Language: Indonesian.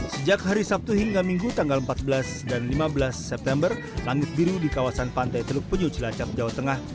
sejak hari sabtu hingga minggu tanggal empat belas dan lima belas september langit biru di kawasan pantai teluk penyu cilacap jawa tengah